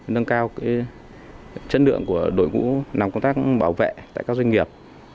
nâng cao chất lượng của đội ngũ làm công tác bảo vệ tại các doanh nghiệp